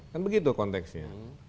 kan begitu konteksnya